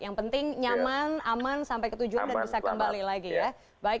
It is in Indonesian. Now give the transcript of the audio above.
yang penting nyaman aman sampai ke tujuan dan bisa kembali lagi ya